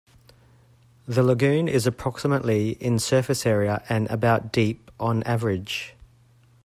The lagoon is approximately in surface area and about deep, on average.